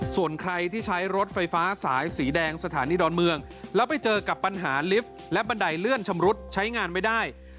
ส่วนใครที่ใช้รถไฟฟ้าสายสีแดงสถานีดอนเมืองแล้วไปเจอกับปัญหาลิฟต์และบันไดเลื่อนชำรุดใช้งานไม่ได้